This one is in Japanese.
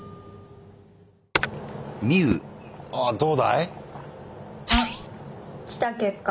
ああどうだい？